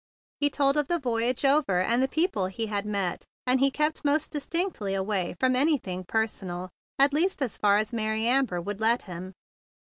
He told of the voyage over and the people he had met, and he kept most distinctly away from anything per¬ sonal, at least as far away as Mary Amber would let him.